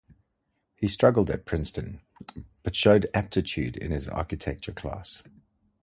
He struggled at Princeton, but showed aptitude in his architecture class.